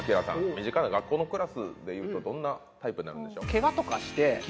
身近な学校のクラスでいうとどんなタイプになるんでしょう？